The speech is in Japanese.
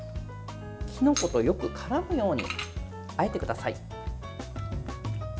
きのこと、よくからむようにあえてください。